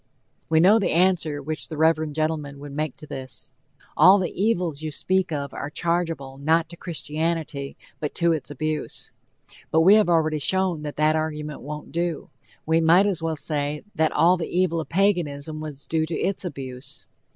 We know the answer which the reverend gentleman would make to this: "All the evils you speak of are chargeable, not to Christianity, but to its abuse." But we have already shown that that argument won't do. We might as well say that all the evil of Paganism was due to its abuse.